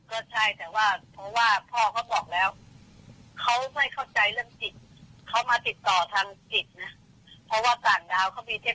อันนี้เขาทางครัว